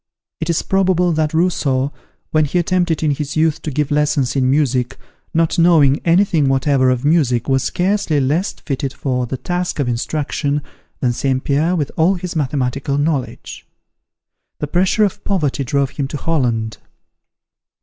It is probable that Rousseau, when he attempted in his youth to give lessons in music, not knowing any thing whatever of music, was scarcely less fitted for the task of instruction, than St. Pierre with all his mathematical knowledge. The pressure of poverty drove him to Holland.